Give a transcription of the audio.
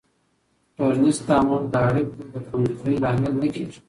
ټولنیز تعامل د اړیکو د کمزورۍ لامل نه کېږي.